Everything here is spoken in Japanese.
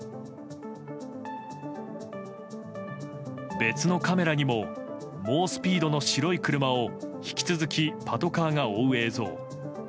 別のカメラにも猛スピードの白い車を引き続きパトカーが追う映像。